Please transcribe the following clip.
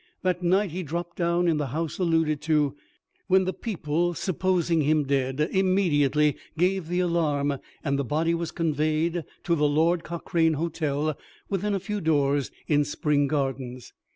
That night he dropped down in the house alluded to, when the people, supposing him dead, immediately gave the alarm, and the body was conveyed to the Lord Cochrane hotel, within a few doors, in Spring Gardens.